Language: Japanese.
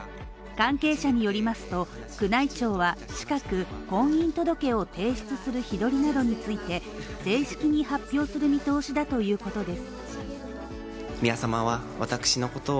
関係者によりますと宮内庁は近く、婚姻届を提出する日取りなどについて正式に発表する見通しだということです。